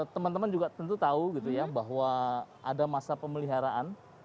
teman teman juga tentu tahu gitu ya bahwa ada masa pemeliharaan